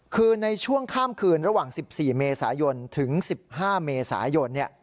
คือในช่วงข้ามคืนระหว่าง๑๔เมษายนถึง๑๕เมษายน